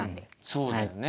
そうだよね。